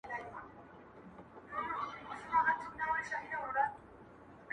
داده چا ښكلي ږغ كي ښكلي غوندي شعر اورمه~